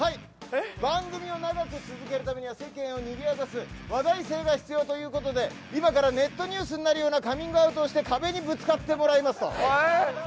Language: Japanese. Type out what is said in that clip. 番組を長く続けるためには世間をにぎやかせる話題性が必要ということで今からネットニュースになるようなカミングアウトをして壁にぶつかってもらいます。